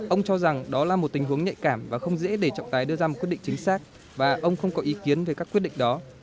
ông cho rằng đó là một tình huống nhạy cảm và không dễ để trọng tài đưa ra một quyết định chính xác và ông không có ý kiến về các quyết định đó